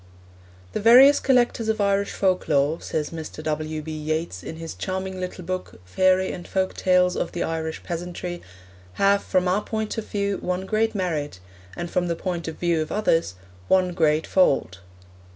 'The various collectors of Irish folk lore,' says Mr. W. B. Yeats in his charming little book Fairy and Folk Tales of the Irish Peasantry, 'have, from our point of view, one great merit, and from the point of view of others, one great fault.'